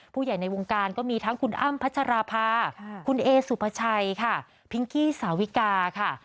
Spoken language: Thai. ผู้ใหญ่ในวงการก็มีทั้งคุณอั้มพัชราพาคุณเอสุพชัยพิงกี้ศาวิกา